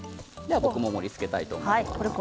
僕も盛りつけたいと思います。